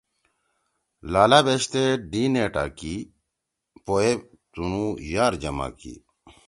لالا بیشتے دی نِٹا کی۔ پویے تُونُو یار جما کی۔